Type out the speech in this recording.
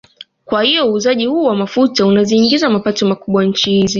Kwa hiyo uuzaji huu wa mafuta unaziingizia mapato makubwa nchi hizi